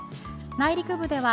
内陸部では